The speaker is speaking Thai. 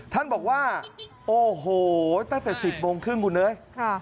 ท่านบอกว่าโอ้โหตั้งแต่๑๐โมงครึ่งคุณเอ้ย